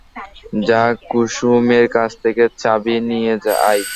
যা কুসুমের কাছ থেকে চাবি নিয়ে আয়।